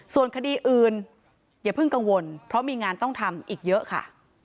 ส่วนคดีอื่นอย่าเพิ่งกังวลเพราะมีงานต้องทำอีกเยอะค่ะ